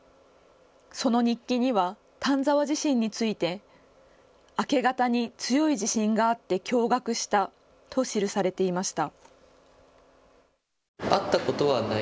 その日記には丹沢地震について明け方に強い地震があって驚がくしたと記されていました。